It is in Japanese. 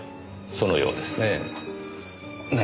そのようですねえ。